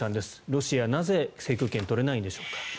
ロシア、なぜ制空権を取れないんでしょうか。